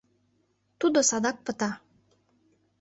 Тудо садак пыта.